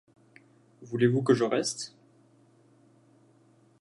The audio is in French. Voulez-vous que je reste ?